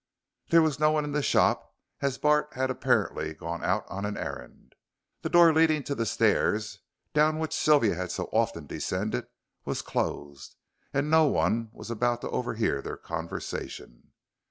There was no one in the shop as Bart had apparently gone out on an errand. The door leading to the stairs, down which Sylvia had so often descended, was closed, and no one was about to overhear their conversation.